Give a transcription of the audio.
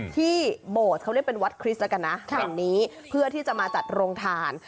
โบสถ์เขาเรียกเป็นวัดคริสต์แล้วกันนะแห่งนี้เพื่อที่จะมาจัดโรงทาน